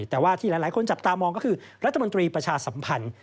แต่ว่าที่หลายคนจับตามองก็คือรัฐมนตรีประชาสัมพันธ์